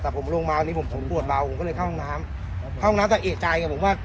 แต่ผมลงมาวันนี้ผมผมปวดเบาผมก็เลยเข้าห้องน้ำเข้าห้องน้ำแต่เอกใจไงผมว่า